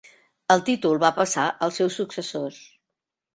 El títol va passar als seus successors.